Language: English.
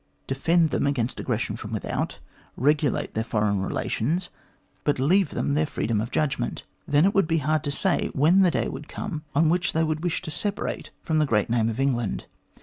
Defend them against aggression from without ; regulate their foreign relations ; but leave them their A COUPLE OF COLONIAL LECTURES 269 freedom of judgment. Then it would be hard to say when the day would come on which they would wish to separate from the great name of England.